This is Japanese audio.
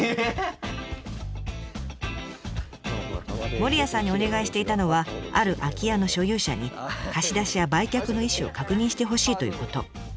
守谷さんにお願いしていたのはある空き家の所有者に貸し出しや売却の意思を確認してほしいということ。